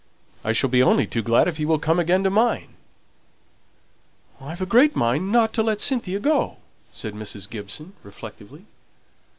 I shall be only too glad if he will come again to mine." "I've a great mind not to let Cynthia go," said Mrs. Gibson reflectively.